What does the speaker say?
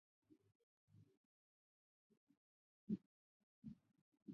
假有蹄类是由土豚及象鼩组成。